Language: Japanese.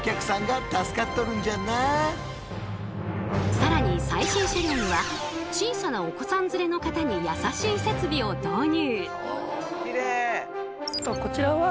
更に最新車両には小さなお子さん連れの方に優しい設備を導入。